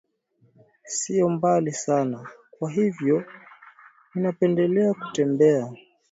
Siyo mbali sana, kwa hivyo ninapendelea kutembea.